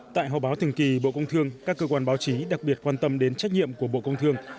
tại họp báo thường kỳ bộ công thương các cơ quan báo chí đặc biệt quan tâm đến trách nhiệm của bộ công thương